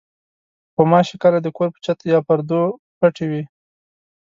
غوماشې کله د کور په چت یا پردو پټې وي.